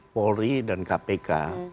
polri dan kpk